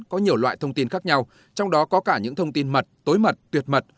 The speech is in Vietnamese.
có nhiều loại thông tin khác nhau trong đó có cả những thông tin mật tối mật tuyệt mật